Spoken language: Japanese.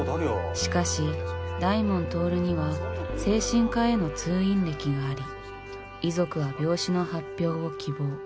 しかし大門亨には精神科への通院歴があり遺族は病死の発表を希望。